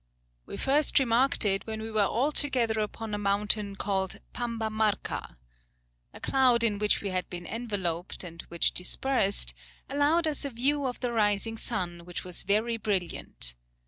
We first remarked it when we were altogether upon a mountain called Pamba Marca. A cloud in which we had been enveloped, and which dispersed, allowed us a view of the rising sun, which was very brilliant.